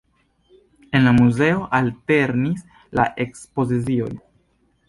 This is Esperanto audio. En la muzeo alternis la ekspozicioj.